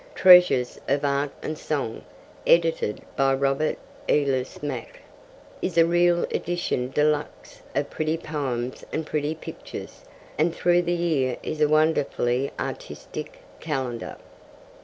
Treasures of Art and Song, edited by Robert Ellice Mack, is a real edition de luxe of pretty poems and pretty pictures; and Through the Year is a wonderfully artistic calendar.